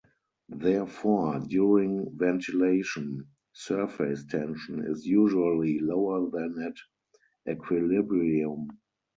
Therefore, during ventilation, surface tension is usually lower than at equilibrium.